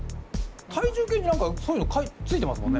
体重計に何かそういうのついてますもんね。